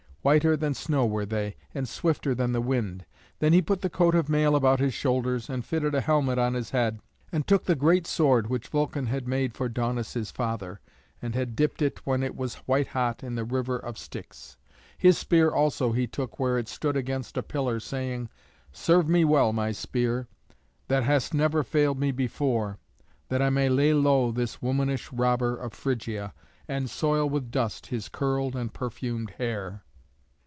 Whiter than snow were they, and swifter than the wind. Then he put the coat of mail about his shoulders, and fitted a helmet on his head, and took the great sword which Vulcan had made for Daunus his father, and had dipped it when it was white hot in the river of Styx. His spear also he took where it stood against a pillar, saying, "Serve me well, my spear, that hast never failed me before, that I may lay low this womanish robber of Phrygia, and soil with dust his curled and perfumed hair."